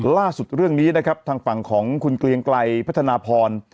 ล่าสุดเรื่องนี้นะครับทางฝั่งของคุณเกลียงไกลพัฒนาพร